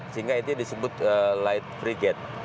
sehingga itu disebut light frigate